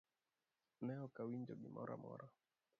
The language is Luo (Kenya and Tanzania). Ne ok awinjo gimoro amora.